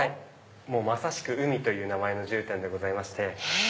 まさしく『ＵＭＩ』という名前の絨毯でございまして。